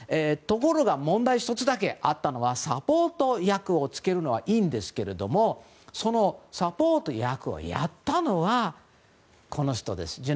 ところが問題が１つだけあったのはサポート役をつけるのはいいんですけれどもそのサポート役をやったのはこの人です。